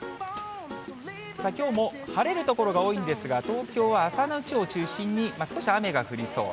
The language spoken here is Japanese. きょうも晴れる所が多いんですが、東京は朝のうちを中心に、少し雨が降りそう。